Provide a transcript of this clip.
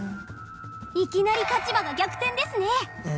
いきなり立場が逆転ですね。